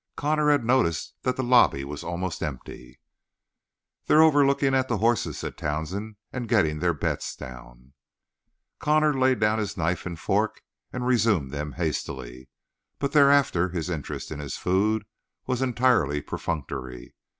Connor had noticed that the lobby was almost empty. "They're over lookin' at the hosses," said Townsend, "and gettin' their bets down." Connor laid down knife and fork, and resumed them hastily, but thereafter his interest in his food was entirely perfunctory.